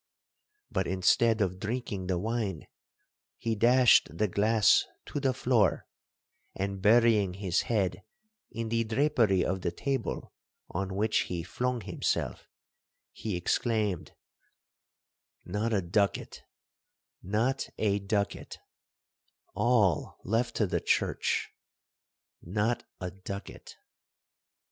But instead of drinking the wine, he dashed the glass to the floor, and burying his head in the drapery of the table on which he flung himself, he exclaimed, 'Not a ducat,—not a ducat,—all left to the church!—Not a ducat!'